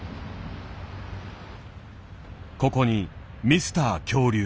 ここに「ミスター恐竜」